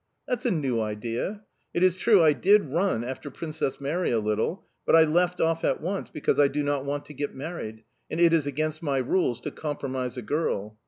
"That's a new idea! It is true I did run after Princess Mary a little, but I left off at once because I do not want to get married; and it is against my rules to compromise a girl."